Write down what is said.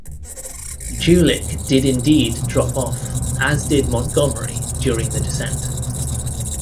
Julich did indeed drop off, as did Montgomery during the descent.